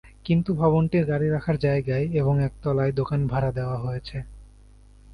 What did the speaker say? কিন্তু ভবনটির গাড়ি রাখার জায়গায় এবং একতলায় দোকান ভাড়া দেওয়া হয়েছে।